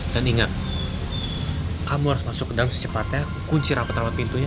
dan ingat kamu harus masuk ke dalam secepatnya kunci rapat rapat pintunya